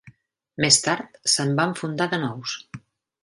Més tard se'n van fundar de nous.